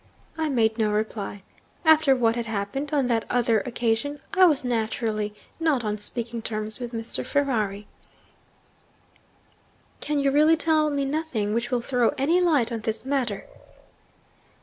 I made no reply. After what had happened (on that other occasion) I was naturally not on speaking terms with Mr. Ferrari.' 'Can you really tell me nothing which will throw any light on this matter?'